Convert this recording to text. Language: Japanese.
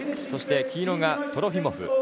そして、黄色がトロフィモフ。